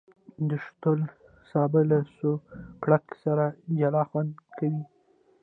د شوتل سابه له سوکړک سره جلا خوند کوي.